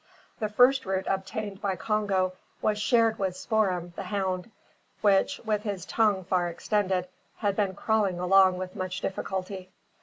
The first root obtained by Congo was shared with Spoor'em, the hound, which, with his tongue far extended, had been crawling along with much difficulty.